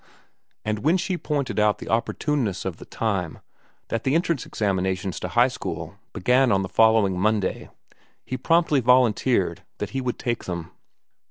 And when she pointed out the opportuneness of the time, that the entrance examinations to high school began on the following Monday, he promptly volunteered that he would take them.